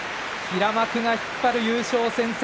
平幕が引っ張る優勝戦線